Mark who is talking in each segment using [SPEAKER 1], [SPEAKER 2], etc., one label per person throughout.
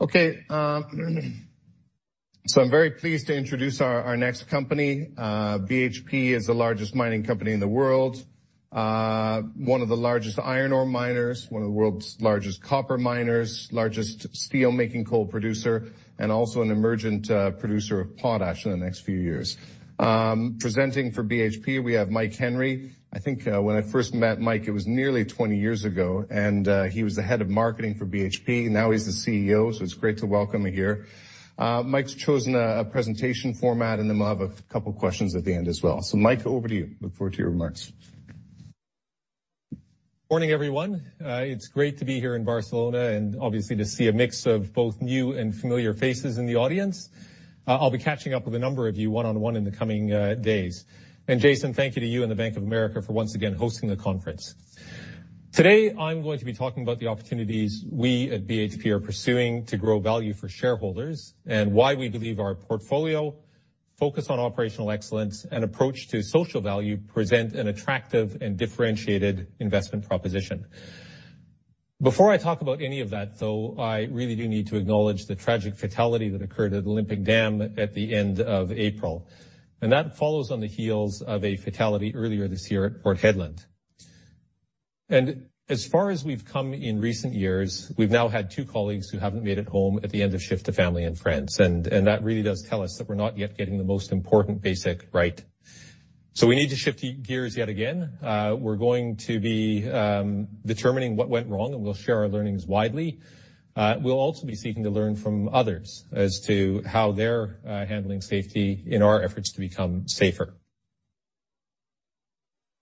[SPEAKER 1] Okay. I'm very pleased to introduce our next company. BHP is the largest mining company in the world. One of the largest iron ore miners, one of the world's largest copper miners, largest steelmaking coal producer, and also an emergent producer of potash in the next few years. Presenting for BHP, we have Mike Henry. I think, when I first met Mike, it was nearly 20 years ago, and he was the Head of Marketing for BHP. Now he's the CEO. It's great to welcome you here. Mike's chosen a presentation format, and then we'll have a couple questions at the end as well. Mike, over to you. Look forward to your remarks.
[SPEAKER 2] Morning, everyone. It's great to be here in Barcelona, and obviously to see a mix of both new and familiar faces in the audience. I'll be catching up with a number of you one-on-one in the coming, days. Jason, thank you to you and the Bank of America for once again hosting the conference. Today, I'm going to be talking about the opportunities we at BHP are pursuing to grow value for shareholders and why we believe our portfolio, focus on operational excellence, and approach to social value present an attractive and differentiated investment proposition. Before I talk about any of that though, I really do need to acknowledge the tragic fatality that occurred at Olympic Dam at the end of April. That follows on the heels of a fatality earlier this year at Port Hedland. As far as we've come in recent years, we've now had two colleagues who haven't made it home at the end of shift to family and friends. That really does tell us that we're not yet getting the most important basic right. We need to shift gears yet again. We're going to be determining what went wrong, and we'll share our learnings widely. We'll also be seeking to learn from others as to how they're handling safety in our efforts to become safer.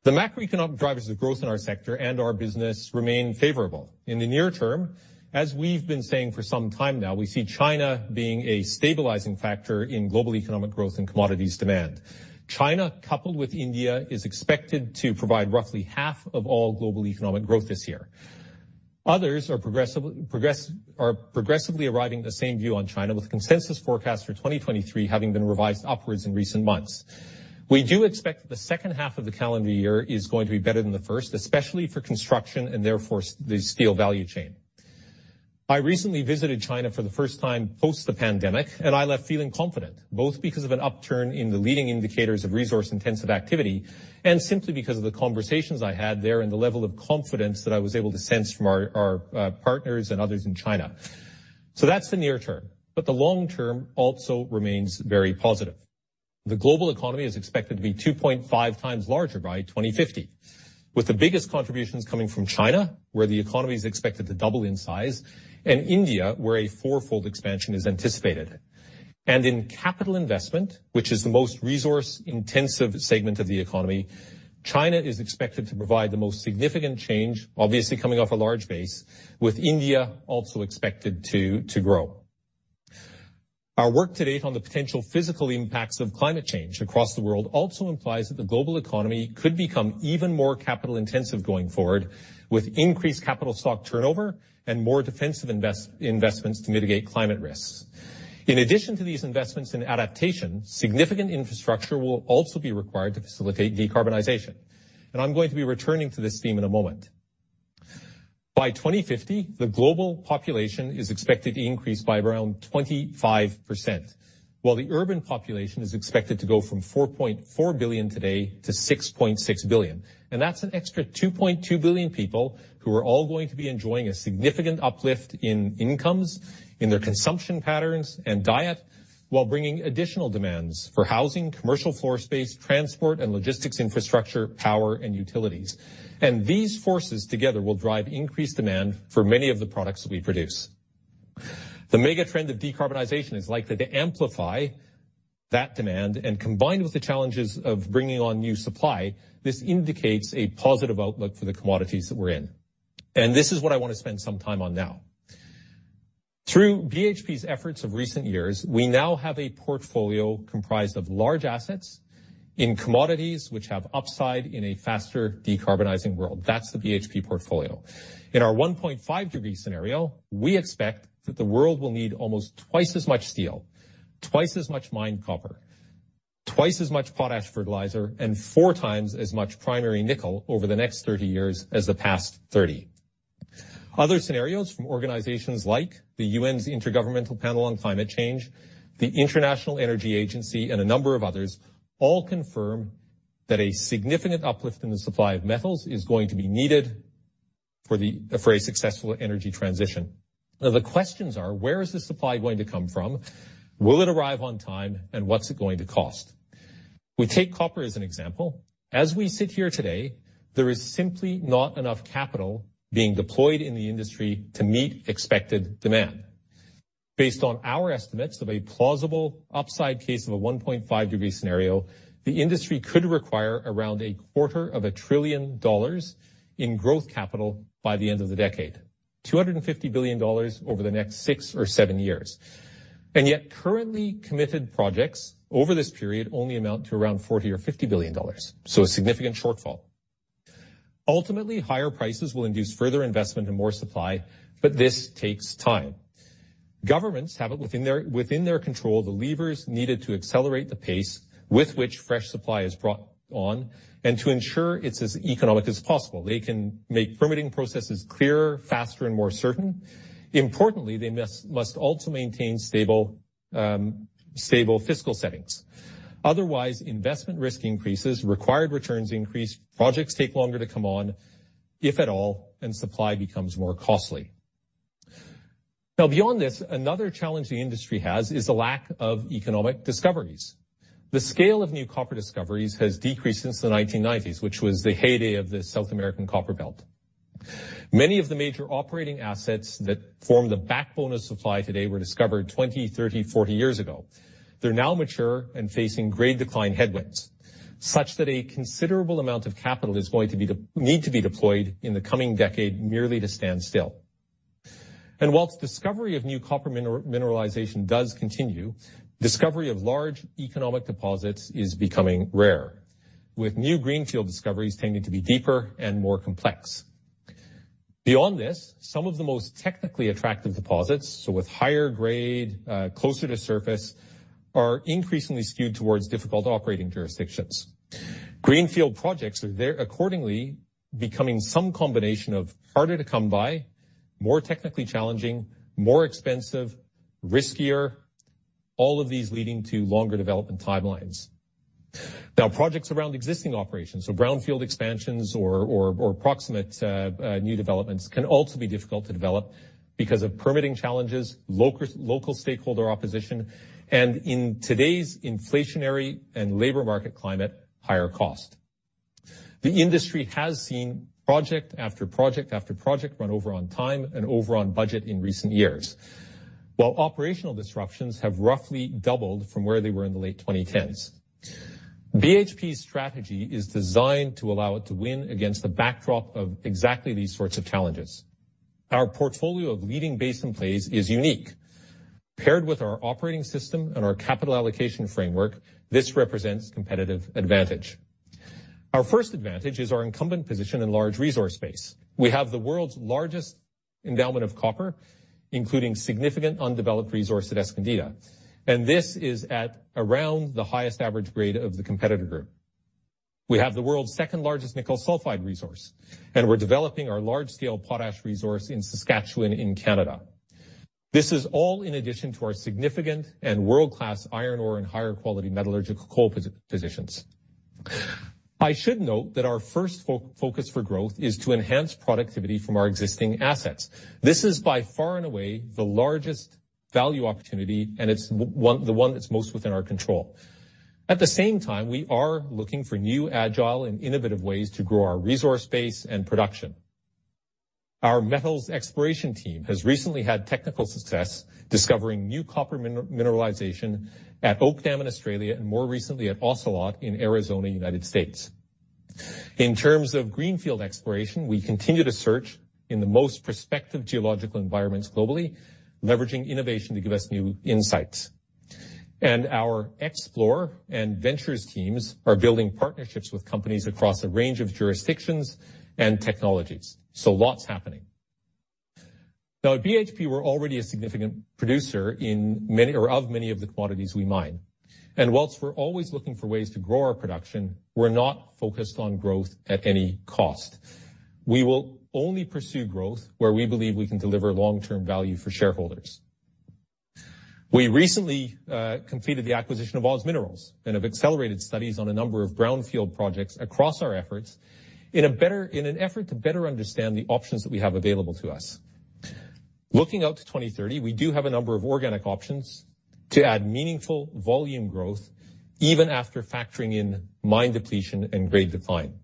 [SPEAKER 2] The macroeconomic drivers of growth in our sector and our business remain favorable. In the near term, as we've been saying for some time now, we see China being a stabilizing factor in global economic growth and commodities demand. China, coupled with India, is expected to provide roughly half of all global economic growth this year. Others are progressively arriving at the same view on China with consensus forecasts for 2023 having been revised upwards in recent months. We do expect that the second half of the calendar year is going to be better than the first, especially for construction, and therefore the steel value chain. I recently visited China for the first time post the pandemic, and I left feeling confident, both because of an upturn in the leading indicators of resource-intensive activity and simply because of the conversations I had there and the level of confidence that I was able to sense from our partners and others in China. That's the near term, but the long term also remains very positive. The global economy is expected to be 2.5 times larger by 2050, with the biggest contributions coming from China, where the economy is expected to double in size, and India, where a 4-fold expansion is anticipated. In capital investment, which is the most resource-intensive segment of the economy, China is expected to provide the most significant change, obviously coming off a large base, with India also expected to grow. Our work to date on the potential physical impacts of climate change across the world also implies that the global economy could become even more capital-intensive going forward, with increased capital stock turnover and more defensive investments to mitigate climate risks. In addition to these investments in adaptation, significant infrastructure will also be required to facilitate decarbonization. I'm going to be returning to this theme in a moment. By 2050, the global population is expected to increase by around 25%, while the urban population is expected to go from 4.4 billion today to 6.6 billion. That's an extra 2.2 billion people who are all going to be enjoying a significant uplift in incomes, in their consumption patterns and diet, while bringing additional demands for housing, commercial floor space, transport and logistics infrastructure, power and utilities. These forces together will drive increased demand for many of the products that we produce. The mega trend of decarbonization is likely to amplify that demand, and combined with the challenges of bringing on new supply, this indicates a positive outlook for the commodities that we're in. This is what I wanna spend some time on now. Through BHP's efforts of recent years, we now have a portfolio comprised of large assets in commodities which have upside in a faster decarbonizing world. That's the BHP portfolio. In our 1.5-degree scenario, we expect that the world will need almost twice as much steel, twice as much mined copper, twice as much potash fertilizer, and four times as much primary nickel over the next 30 years as the past 30. Other scenarios from organizations like the UN's Intergovernmental Panel on Climate Change, the International Energy Agency, and a number of others all confirm that a significant uplift in the supply of metals is going to be needed for a successful energy transition. Now the questions are, where is the supply going to come from? Will it arrive on time, and what's it going to cost? We take copper as an example. As we sit here today, there is simply not enough capital being deployed in the industry to meet expected demand. Based on our estimates of a plausible upside case of a 1.5-degree scenario, the industry could require around a quarter of a trillion dollars in growth capital by the end of the decade. $250 billion over the next six or seven years. Yet currently committed projects over this period only amount to around $40 billion or $50 billion. A significant shortfall. Ultimately, higher prices will induce further investment and more supply, but this takes time. Governments have it within their control the levers needed to accelerate the pace with which fresh supply is brought on and to ensure it's as economic as possible. They can make permitting processes clearer, faster, and more certain. Importantly, they must also maintain stable fiscal settings. Otherwise investment risk increases, required returns increase, projects take longer to come on, if at all, and supply becomes more costly. Beyond this, another challenge the industry has is the lack of economic discoveries. The scale of new copper discoveries has decreased since the 1990s, which was the heyday of the South American copper belt. Many of the major operating assets that form the backbone of supply today were discovered 20, 30, 40 years ago. They're now mature and facing grade decline headwinds, such that a considerable amount of capital is going to need to be deployed in the coming decade merely to stand still. Whilst discovery of new copper mineralization does continue, discovery of large economic deposits is becoming rare, with new greenfield discoveries tending to be deeper and more complex. Beyond this, some of the most technically attractive deposits, so with higher grade, closer to surface, are increasingly skewed towards difficult operating jurisdictions. Greenfield projects are there accordingly becoming some combination of harder to come by, more technically challenging, more expensive, riskier, all of these leading to longer development timelines. Projects around existing operations, so brownfield expansions or proximate new developments can also be difficult to develop because of permitting challenges, local stakeholder opposition, and in today's inflationary and labor market climate, higher cost. The industry has seen project after project after project run over on time and over on budget in recent years, while operational disruptions have roughly doubled from where they were in the late 2010s. BHP's strategy is designed to allow it to win against the backdrop of exactly these sorts of challenges. Our portfolio of leading basin plays is unique. Paired with our BHP Operating System and our capital allocation framework, this represents competitive advantage. Our first advantage is our incumbent position in large resource space. We have the world's largest endowment of copper, including significant undeveloped resource at Escondida, and this is at around the highest average grade of the competitor group. We have the world's second-largest nickel sulfide resource, we're developing our large-scale potash resource in Saskatchewan in Canada. This is all in addition to our significant and world-class iron ore and higher-quality metallurgical coal positions. I should note that our first focus for growth is to enhance productivity from our existing assets. This is by far and away the largest value opportunity, and it's the one that's most within our control. At the same time, we are looking for new, agile, and innovative ways to grow our resource base and production. Our metals exploration team has recently had technical success discovering new copper mineralization at Oak Dam in Australia, and more recently at Ocelot in Arizona, United States. Our explore and ventures teams are building partnerships with companies across a range of jurisdictions and technologies. Lots happening. Now at BHP, we're already a significant producer in many of the commodities we mine. Whilst we're always looking for ways to grow our production, we're not focused on growth at any cost. We will only pursue growth where we believe we can deliver long-term value for shareholders. We recently completed the acquisition of OZ Minerals and have accelerated studies on a number of greenfield projects across our efforts in an effort to better understand the options that we have available to us. Looking out to 2030, we do have a number of organic options to add meaningful volume growth even after factoring in mine depletion and grade decline.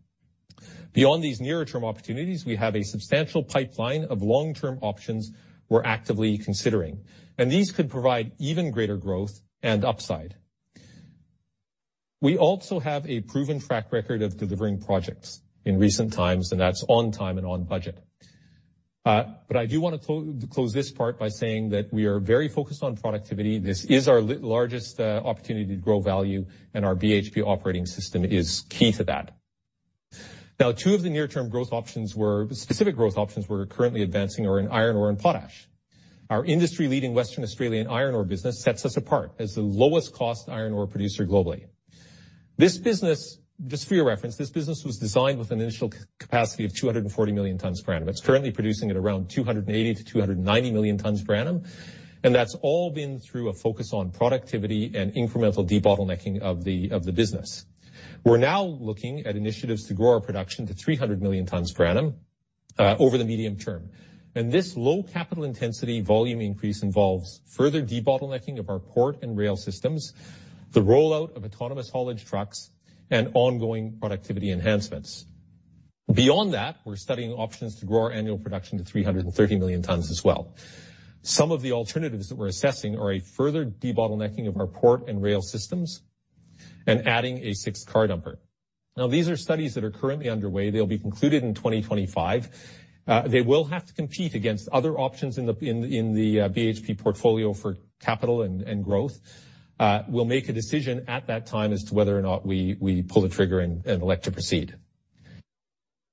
[SPEAKER 2] Beyond these nearer-term opportunities, we have a substantial pipeline of long-term options we're actively considering, and these could provide even greater growth and upside. We also have a proven track record of delivering projects in recent times, and that's on time and on budget. I do wanna close this part by saying that we are very focused on productivity. This is our largest opportunity to grow value, and our BHP Operating System is key to that. Now, two of the near-term growth options we're specific growth options we're currently advancing are in iron ore and potash. Our industry-leading Western Australia Iron Ore business sets us apart as the lowest cost iron ore producer globally. This business, just for your reference, this business was designed with an initial capacity of 240 million tons per annum. It's currently producing at around 280 million-290 million tons per annum, and that's all been through a focus on productivity and incremental debottlenecking of the business. We're now looking at initiatives to grow our production to 300 million tons per annum over the medium term, and this low capital intensity volume increase involves further debottlenecking of our port and rail systems, the rollout of autonomous haulage trucks, and ongoing productivity enhancements. Beyond that, we're studying options to grow our annual production to 330 million tons as well. Some of the alternatives that we're assessing are a further debottlenecking of our port and rail systems and adding a six-car dumper. Now these are studies that are currently underway. They'll be concluded in 2025. They will have to compete against other options in the BHP portfolio for capital and growth. We'll make a decision at that time as to whether or not we pull the trigger and elect to proceed.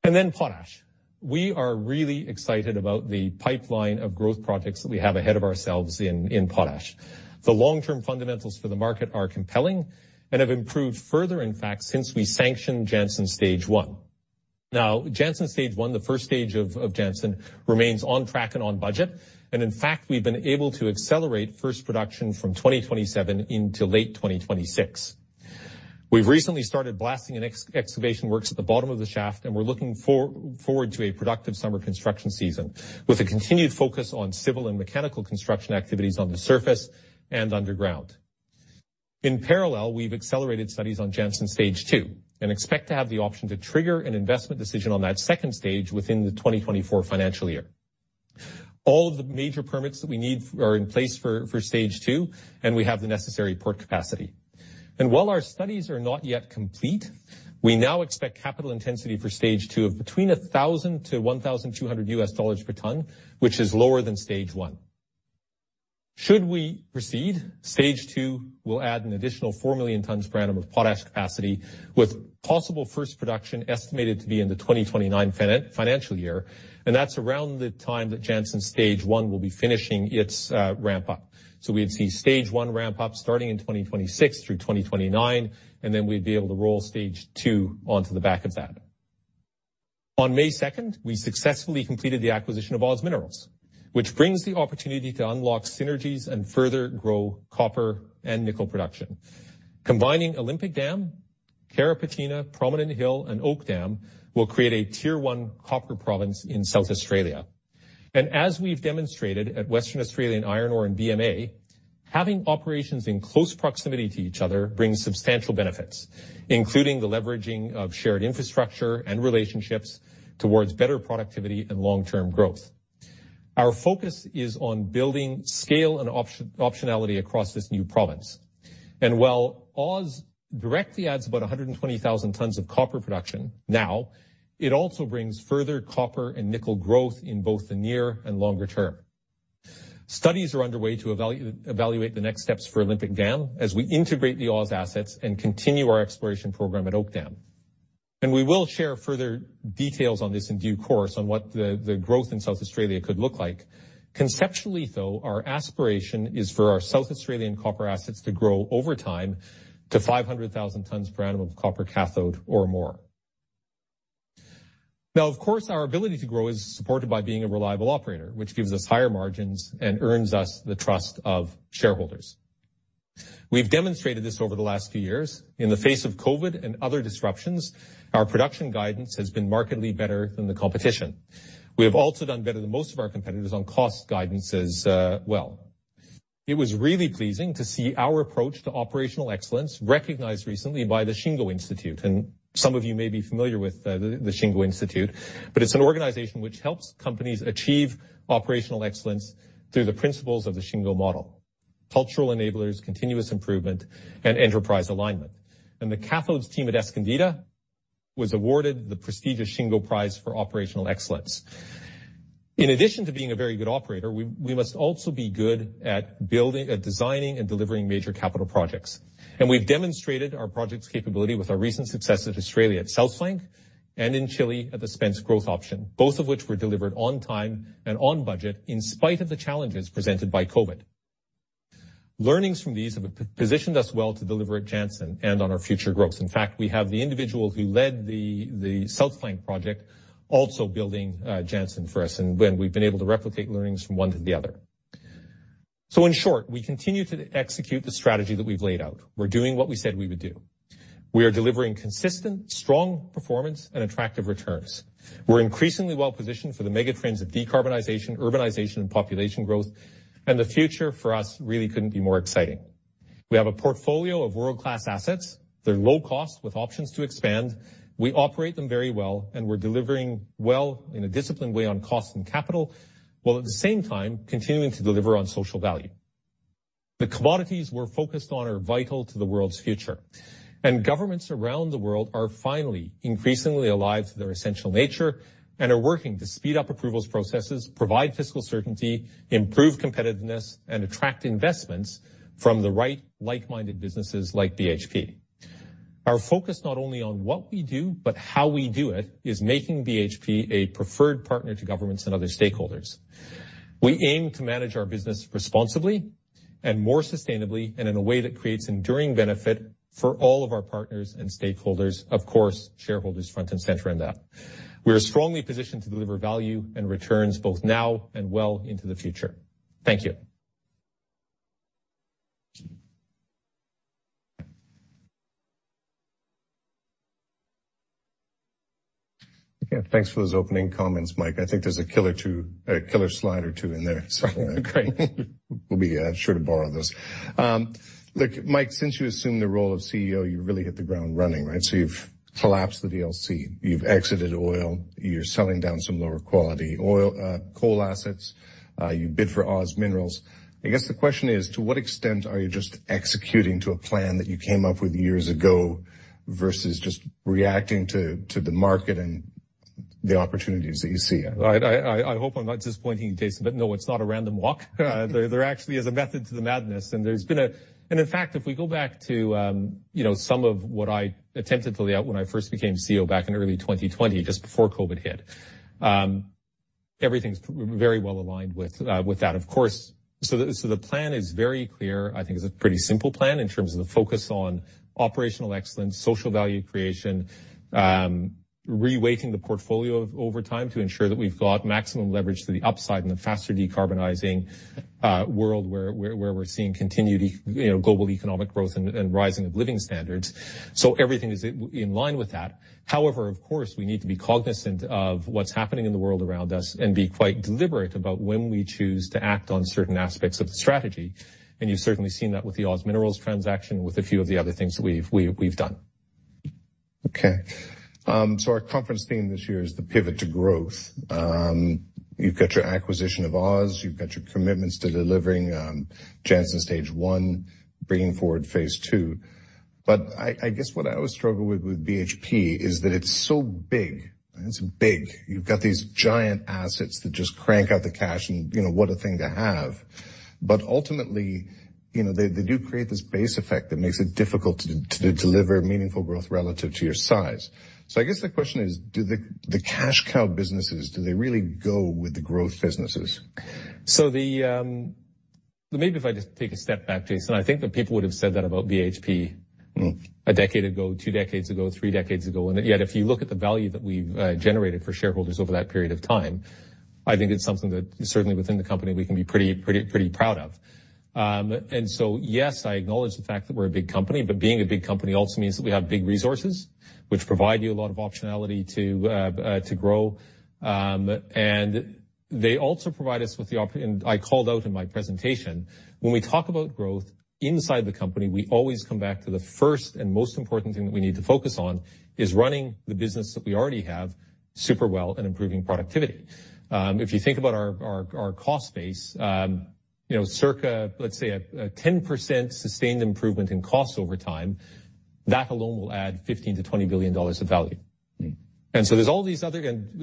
[SPEAKER 2] Then potash. We are really excited about the pipeline of growth projects that we have ahead of ourselves in potash. The long-term fundamentals for the market are compelling and have improved further, in fact, since we sanctioned Jansen Stage 1. Jansen Stage 1, the first stage of Jansen, remains on track and on budget, and in fact, we've been able to accelerate first production from 2027 into late 2026. We've recently started blasting and excavation works at the bottom of the shaft, and we're looking forward to a productive summer construction season, with a continued focus on civil and mechanical construction activities on the surface and underground. We've accelerated studies on Jansen Stage 2 and expect to have the option to trigger an investment decision on that second stage within the 2024 financial year. All of the major permits that we need are in place for stage two, and we have the necessary port capacity. While our studies are not yet complete, we now expect capital intensity for Jansen Stage 2 of between $1,000-$1,200 per ton, which is lower than Jansen Stage 1. Should we proceed, Jansen Stage 2 will add an additional 4 million tons per annum of potash capacity with possible first production estimated to be in the 2029 financial year, and that's around the time that Jansen Stage 1 will be finishing its ramp up. We'd see Jansen Stage 1 ramp up starting in 2026 through 2029, and then we'd be able to roll Jansen Stage 2 onto the back of that. On May 2, we successfully completed the acquisition of OZ Minerals, which brings the opportunity to unlock synergies and further grow copper and nickel production. Combining Olympic Dam, Carrapateena, Prominent Hill, and Oak Dam will create a tier one copper province in South Australia. As we've demonstrated at Western Australia Iron Ore and BMA, having operations in close proximity to each other brings substantial benefits, including the leveraging of shared infrastructure and relationships towards better productivity and long-term growth. Our focus is on building scale and optionality across this new province. While OZ directly adds about 120,000 tons of copper production now, it also brings further copper and nickel growth in both the near and longer term. Studies are underway to evaluate the next steps for Olympic Dam as we integrate the OZ assets and continue our exploration program at Oak Dam. We will share further details on this in due course on what the growth in South Australia could look like. Conceptually, our aspiration is for our South Australian copper assets to grow over time to 500,000 tons per annum of copper cathode or more. Of course, our ability to grow is supported by being a reliable operator, which gives us higher margins and earns us the trust of shareholders. We've demonstrated this over the last few years. In the face of COVID and other disruptions, our production guidance has been markedly better than the competition. We have also done better than most of our competitors on cost guidance as well. It was really pleasing to see our approach to operational excellence recognized recently by the Shingo Institute, and some of you may be familiar with the Shingo Institute, but it's an organization which helps companies achieve operational excellence through the principles of the Shingo Model. Cultural enablers, continuous improvement, and enterprise alignment. The cathodes team at Escondida was awarded the prestigious Shingo Prize for Operational Excellence. In addition to being a very good operator, we must also be good at designing and delivering major capital projects. We've demonstrated our projects capability with our recent success at Australia at South Flank and in Chile at the Spence Growth Option, both of which were delivered on time and on budget in spite of the challenges presented by COVID. Learnings from these have positioned us well to deliver at Jansen and on our future growth. In fact, we have the individual who led the South Flank project also building Jansen for us and when we've been able to replicate learnings from one to the other. In short, we continue to execute the strategy that we've laid out. We're doing what we said we would do. We are delivering consistent, strong performance and attractive returns. We're increasingly well positioned for the mega trends of decarbonization, urbanization, and population growth, and the future for us really couldn't be more exciting. We have a portfolio of world-class assets. They're low cost with options to expand. We operate them very well, and we're delivering well in a disciplined way on cost and capital, while at the same time continuing to deliver on social value. The commodities we're focused on are vital to the world's future. Governments around the world are finally increasingly alive to their essential nature and are working to speed up approvals processes, provide fiscal certainty, improve competitiveness, and attract investments from the right like-minded businesses like BHP. Our focus not only on what we do, but how we do it, is making BHP a preferred partner to governments and other stakeholders. We aim to manage our business responsibly and more sustainably and in a way that creates enduring benefit for all of our partners and stakeholders, of course, shareholders front and center in that. We are strongly positioned to deliver value and returns both now and well into the future. Thank you.
[SPEAKER 1] Yeah. Thanks for those opening comments, Mike. I think there's a killer slide or two in there.
[SPEAKER 2] Great.
[SPEAKER 1] We'll be sure to borrow those. Look, Mike, since you assumed the role of CEO, you really hit the ground running, right? You've collapsed the DLC, you've exited oil, you're selling down some lower quality oil, coal assets, you bid for OZ Minerals. I guess the question is, to what extent are you just executing to a plan that you came up with years ago versus just reacting to the market and the opportunities that you see?
[SPEAKER 2] Right. I hope I'm not disappointing you, Jason, but no, it's not a random walk. There actually is a method to the madness. In fact, if we go back to, you know, some of what I attempted to lay out when I first became CEO back in early 2020, just before COVID hit. Everything's very well-aligned with that, of course. The plan is very clear. I think it's a pretty simple plan in terms of the focus on operational excellence, social value creation, re-weighting the portfolio over time to ensure that we've got maximum leverage to the upside in the faster decarbonizing world where we're seeing continued you know, global economic growth and rising of living standards. Everything is in line with that. However, of course, we need to be cognizant of what's happening in the world around us and be quite deliberate about when we choose to act on certain aspects of the strategy. You've certainly seen that with the OZ Minerals transaction, with a few of the other things that we've done.
[SPEAKER 1] Okay. Our conference theme this year is the pivot to growth. You've got your acquisition of Oz, you've got your commitments to delivering, Jansen Stage 1, bringing forward phase two. I guess what I always struggle with BHP is that it's so big. It's big. You've got these giant assets that just crank out the cash and, you know, what a thing to have. Ultimately, you know, they do create this base effect that makes it difficult to deliver meaningful growth relative to your size. I guess the question is, do the cash cow businesses, do they really go with the growth businesses?
[SPEAKER 2] Maybe if I just take a step back, Jason, I think that people would have said that about BHP one decade ago, two decades ago, three decades ago. Yet, if you look at the value that we've generated for shareholders over that period of time, I think it's something that certainly within the company we can be pretty, pretty proud of. Yes, I acknowledge the fact that we're a big company, but being a big company also means that we have big resources which provide you a lot of optionality to grow. They also provide us with the opport.... I called out in my presentation, when we talk about growth inside the company, we always come back to the first and most important thing that we need to focus on is running the business that we already have super well and improving productivity. If you think about our cost base, you know, circa, let's say a 10% sustained improvement in costs over time, that alone will add $15 billion-$20 billion of value.
[SPEAKER 1] Mm.
[SPEAKER 2] There's all these other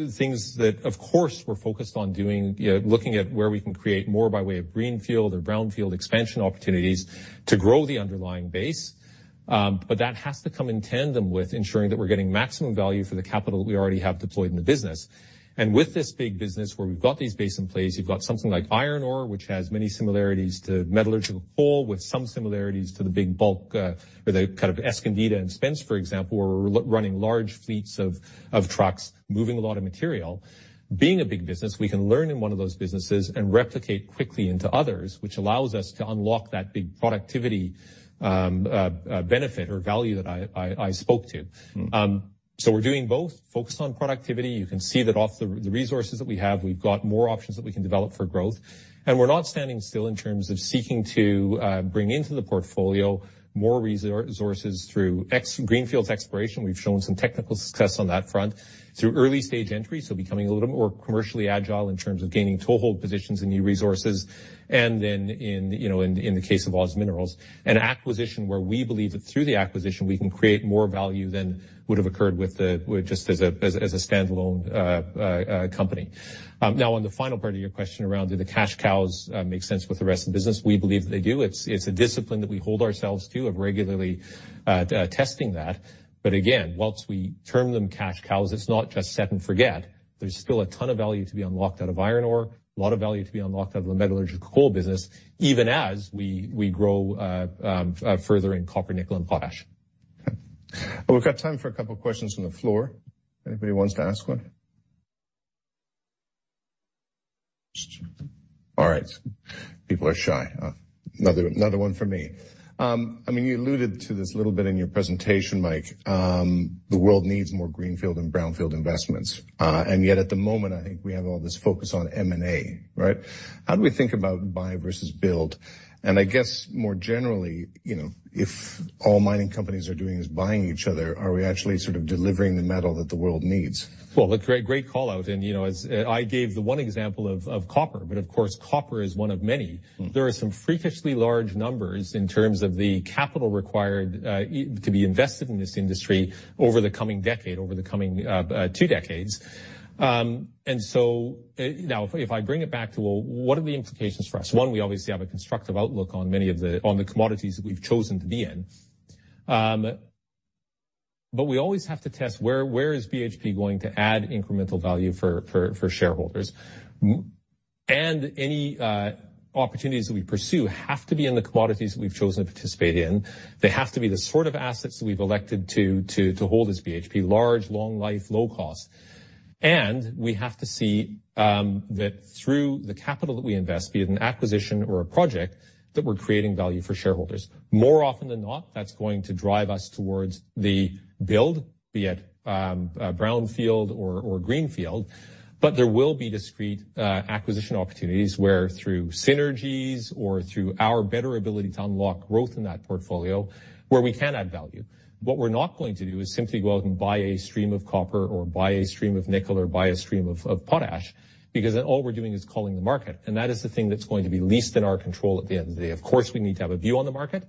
[SPEAKER 2] things that, of course, we're focused on doing, you know, looking at where we can create more by way of greenfield or brownfield expansion opportunities to grow the underlying base. That has to come in tandem with ensuring that we're getting maximum value for the capital that we already have deployed in the business. With this big business where we've got these basin plays, you've got something like iron ore, which has many similarities to metallurgical coal, with some similarities to the big bulk, or the kind of Escondida and Spence, for example, where we're running large fleets of trucks, moving a lot of material. Being a big business, we can learn in one of those businesses and replicate quickly into others, which allows us to unlock that big productivity, benefit or value that I spoke to.
[SPEAKER 1] Mm.
[SPEAKER 2] We're doing both. Focused on productivity. You can see that off the resources that we have, we've got more options that we can develop for growth. We're not standing still in terms of seeking to bring into the portfolio more resources through Greenfields exploration. We've shown some technical success on that front. Through early-stage entry, so becoming a little bit more commercially agile in terms of gaining toehold positions in new resources. In, you know, in the case of OZ Minerals, an acquisition where we believe that through the acquisition, we can create more value than would have occurred just as a standalone company. Now on the final part of your question around do the cash cows make sense with the rest of the business, we believe they do. It's a discipline that we hold ourselves to of regularly testing that. Again, whilst we term them cash cows, it's not just set and forget. There's still a ton of value to be unlocked out of iron ore, a lot of value to be unlocked out of the metallurgical coal business, even as we grow further in copper, nickel and potash.
[SPEAKER 1] We've got time for a couple questions from the floor. Anybody wants to ask one? All right. People are shy, huh? Another one for me. I mean, you alluded to this a little bit in your presentation, Mike. The world needs more greenfield and brownfield investments. Yet at the moment, I think we have all this focus on M&A, right? How do we think about buy versus build? I guess more generally, you know, if all mining companies are doing is buying each other, are we actually sort of delivering the metal that the world needs?
[SPEAKER 2] Well, a great call out. you know, as I gave the one example of copper, of course, copper is one of many.
[SPEAKER 1] Mm.
[SPEAKER 2] There are some freakishly large numbers in terms of the capital required, to be invested in this industry over the coming decade, over the coming, 2 decades. Now if I bring it back to, well, what are the implications for us? One, we obviously have a constructive outlook on the commodities that we've chosen to be in. We always have to test where is BHP going to add incremental value for shareholders.
[SPEAKER 1] Mm.
[SPEAKER 2] Any opportunities that we pursue have to be in the commodities that we've chosen to participate in. They have to be the sort of assets that we've elected to hold as BHP: large, long life, low cost. We have to see that through the capital that we invest, be it an acquisition or a project, that we're creating value for shareholders. More often than not, that's going to drive us towards the build, be it brownfield or greenfield. There will be discrete acquisition opportunities where through synergies or through our better ability to unlock growth in that portfolio, where we can add value. What we're not going to do is simply go out and buy a stream of copper or buy a stream of nickel or buy a stream of potash, because then all we're doing is calling the market, and that is the thing that's going to be least in our control at the end of the day. Of course, we need to have a view on the market,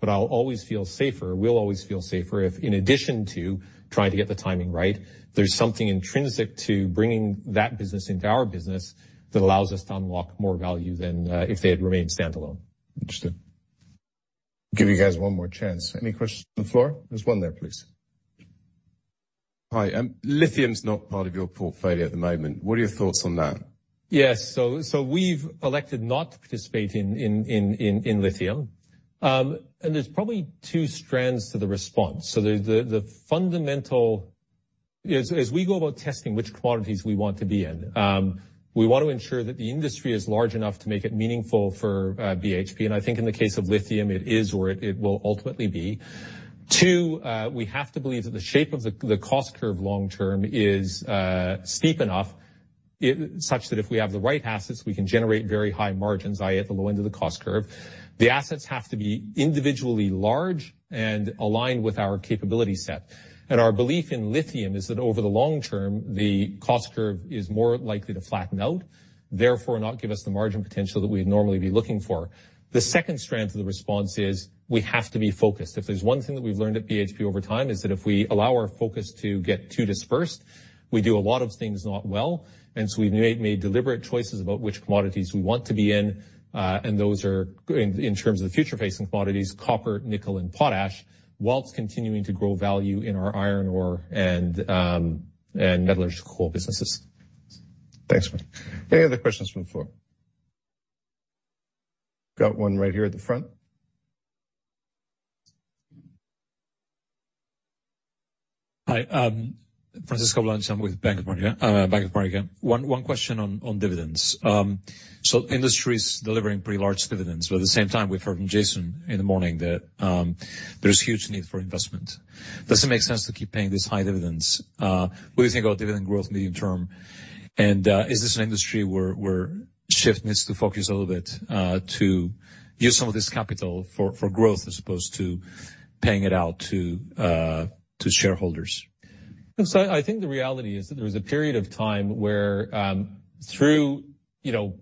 [SPEAKER 2] but I'll always feel safer, we'll always feel safer if in addition to trying to get the timing right, there's something intrinsic to bringing that business into our business that allows us to unlock more value than if they had remained standalone.
[SPEAKER 1] Interesting.
[SPEAKER 3] Give you guys one more chance. Any questions on the floor? There's one there, please. Hi. lithium's not part of your portfolio at the moment. What are your thoughts on that?
[SPEAKER 2] Yes. We've elected not to participate in lithium. There's probably two strands to the response. As we go about testing which quantities we want to be in, we want to ensure that the industry is large enough to make it meaningful for BHP. I think in the case of lithium, it is, or it will ultimately be. Two, we have to believe that the shape of the cost curve long term is steep enough such that if we have the right assets, we can generate very high margins, i.e., at the low end of the cost curve. The assets have to be individually large and aligned with our capability set. Our belief in lithium is that over the long term, the cost curve is more likely to flatten out, therefore not give us the margin potential that we'd normally be looking for. The second strand to the response is we have to be focused. If there's one thing that we've learned at BHP over time, is that if we allow our focus to get too dispersed, we do a lot of things not well. We've made deliberate choices about which commodities we want to be in, and those are in terms of the future-facing commodities, copper, nickel, and potash, whilst continuing to grow value in our iron ore and metallurgical businesses.
[SPEAKER 3] Thanks, Mike. Any other questions from the floor? Got one right here at the front.
[SPEAKER 4] Hi. Francisco Blanch. I'm with Bank of America, Bank of America. One question on dividends. Industry's delivering pretty large dividends. At the same time, we've heard from Jason in the morning that, there's huge need for investment. Does it make sense to keep paying these high dividends? What do you think about dividend growth medium term? Is this an industry where shift needs to focus a little bit, to use some of this capital for growth as opposed to paying it out to shareholders?
[SPEAKER 2] I think the reality is that there was a period of time where, through, you know,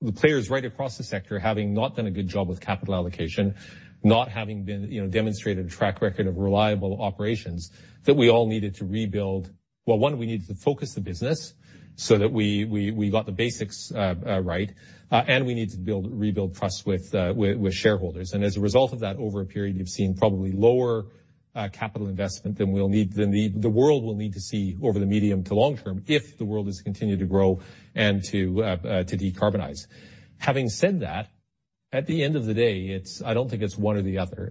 [SPEAKER 2] the players right across the sector having not done a good job with capital allocation, not having been, you know, demonstrated a track record of reliable operations, that we all needed to rebuild. One, we needed to focus the business so that we got the basics right, and we needed to rebuild trust with shareholders. As a result of that, over a period, you've seen probably lower capital investment than we'll need, than the world will need to see over the medium to long term if the world is to continue to grow and to decarbonize. Having said that, at the end of the day, I don't think it's one or the other.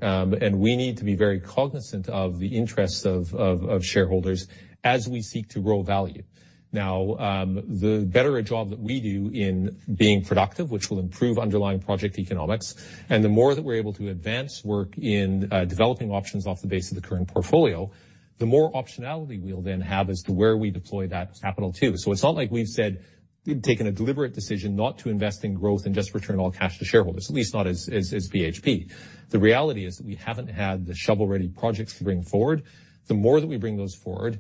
[SPEAKER 2] We need to be very cognizant of the interests of shareholders as we seek to grow value. Now, the better a job that we do in being productive, which will improve underlying project economics, and the more that we're able to advance work in developing options off the base of the current portfolio, the more optionality we'll then have as to where we deploy that capital to. It's not like we've said we've taken a deliberate decision not to invest in growth and just return all cash to shareholders, at least not as BHP. The reality is that we haven't had the shovel-ready projects to bring forward. The more that we bring those forward,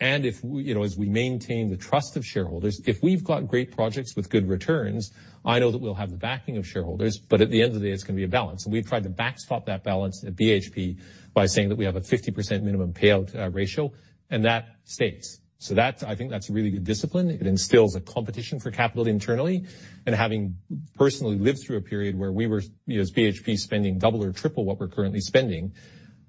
[SPEAKER 2] if we, you know, as we maintain the trust of shareholders, if we've got great projects with good returns, I know that we'll have the backing of shareholders, but at the end of the day, it's gonna be a balance. We've tried to backstop that balance at BHP by saying that we have a 50% minimum payout ratio, and that stays. That's, I think that's a really good discipline. It instills a competition for capital internally. Having personally lived through a period where we were, you know, as BHP, spending double or triple what we're currently spending,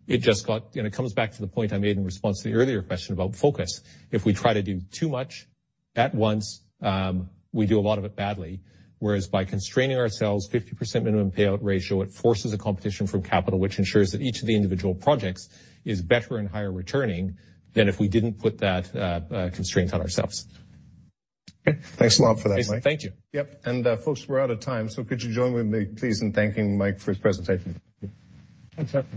[SPEAKER 2] you know, it comes back to the point I made in response to the earlier question about focus. If we try to do too much at once, we do a lot of it badly. Whereas by constraining ourselves 50% minimum payout ratio, it forces a competition from capital, which ensures that each of the individual projects is better and higher returning than if we didn't put that constraint on ourselves.
[SPEAKER 3] Okay. Thanks a lot for that, Mike.
[SPEAKER 2] Thank you.
[SPEAKER 3] Yep. Folks, we're out of time. Could you join me please in thanking Mike for his presentation? Thanks.